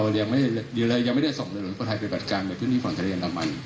ดีเลยยังไม่ได้ส่งเรือหลวงศัพท์ไทยไปปฏิบัติการในพื้นที่ฝั่งทะเลอันดามัน